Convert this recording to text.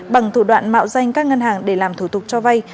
bằng thủ đoạn mạo danh các ngân hàng để làm thủ tục cho vay